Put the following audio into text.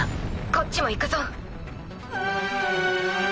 こっちも行くぞ。